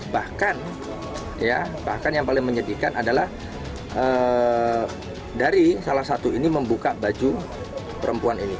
bahkan ya bahkan yang paling menyedihkan adalah dari salah satu ini membuka baju perempuan ini